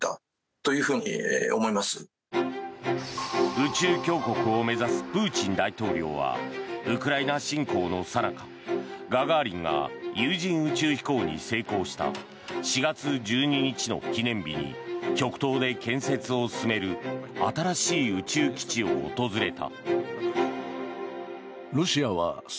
宇宙強国を目指すプーチン大統領はウクライナ侵攻のさなかガガーリンが有人宇宙飛行に成功した４月１２日の記念日に極東で建設を進める新しい宇宙基地を訪れた。